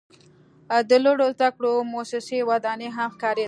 د لوړو زده کړو موسسې ودانۍ هم ښکاریده.